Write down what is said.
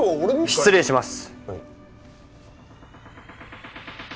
失礼します！